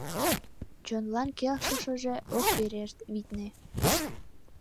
Чонлан келшышыже ок верешт, витне.